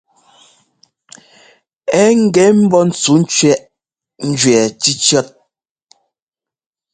Ɛ gɛ mbɔ́ ntsúkẅiɛʼ njʉɛ́ cícíɔ́t.